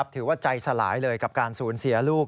ถือว่าใจสลายเลยกับการสูญเสียลูก